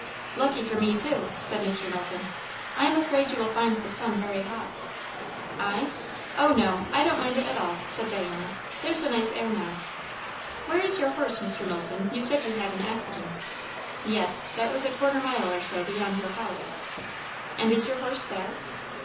"Lucky for me, too," said Mr. Knowlton. "I am afraid you will find the sun very hot!" "I? O no, I don't mind it at all," said Diana. "There's a nice air now. Where is your horse, Mr. Knowlton? you said you had an accident." "Yes. That was a quarter of a mile or so beyond your house." "And is your horse there?"